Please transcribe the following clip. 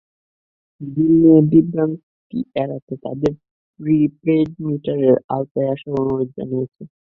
বিল নিয়ে বিভ্রান্তি এড়াতে তাদের প্রি-পেইড মিটারের আওতায় আসার অনুরোধ জানিয়েছি।